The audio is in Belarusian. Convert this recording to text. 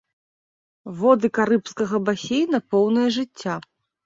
Воды карыбскага басейна поўныя жыцця.